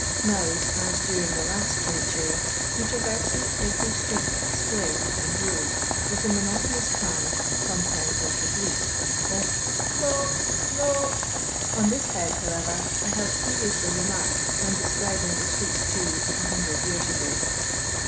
Now, as during the last century, he traverses every street, square, and road, with the mo notonous cry, sometimes like a bleat, of *' do* 1 Clo' !" On this head, however, I have previously remarked, when describing the street Jew of a hundred years ago.